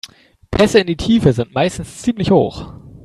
Pässe in die Tiefe sind meistens ziemlich hoch.